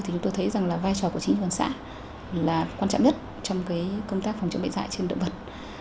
thấy rằng là vai trò của chính phủ quản xã là quan trọng nhất trong công tác phòng chống bệnh dạy trên động vật